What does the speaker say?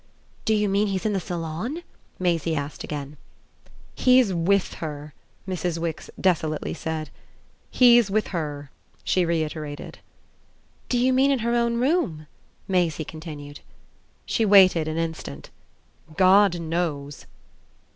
"Do you mean he's in the salon?" Maisie asked again. "He's WITH her," Mrs. Wix desolately said. "He's with her," she reiterated. "Do you mean in her own room?" Maisie continued. She waited an instant. "God knows!"